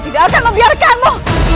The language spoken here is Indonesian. tidak akan membiarkanmu